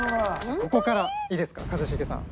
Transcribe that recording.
ここからいいですか一茂さん。